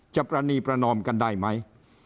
ปรณีประนอมกันได้ไหม